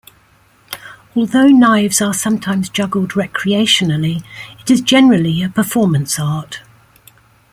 Although knives are sometimes juggled recreationally, it is generally a performance art.